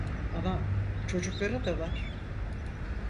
Ama çocukları da var.